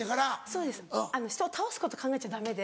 そうです人を倒すこと考えちゃ駄目で。